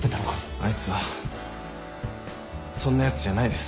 あいつはそんなやつじゃないです。